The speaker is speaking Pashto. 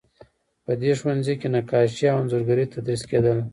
په دې ښوونځي کې نقاشي او انځورګري تدریس کیدله.